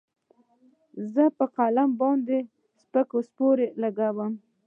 زه به په قلم باندې سپکې سپورې وليکم.